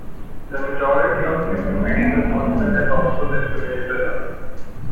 The majority of Cuban medical personnel has also left Venezuela.